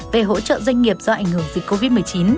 về hỗ trợ doanh nghiệp do ảnh hưởng dịch covid một mươi chín